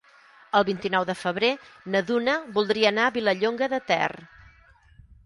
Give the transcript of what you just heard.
El vint-i-nou de febrer na Duna voldria anar a Vilallonga de Ter.